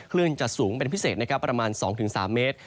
คลื่นจะสูงเป็นพิเศษนะครับประมาณ๒๓เมตร